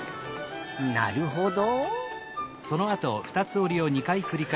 なるほど。